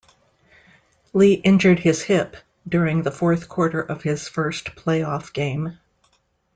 Lee injured his hip during the fourth quarter of his first playoff game.